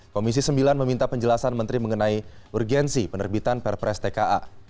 komisi sembilan meminta penjelasan menteri mengenai urgensi penerbitan perpres tka